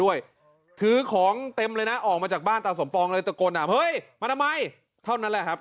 ออกมาจากบ้านตาสมปองเลยตะโกนอ่ะเฮ้ยมาทำไมเท่านั้นแหละครับ